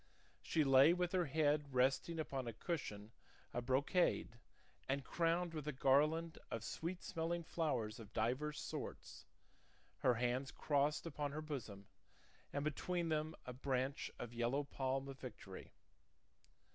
She lay with her head resting upon a cushion of brocade and crowned with a garland of sweet smelling flowers of divers sorts, her hands crossed upon her bosom, and between them a branch of yellow palm of victory.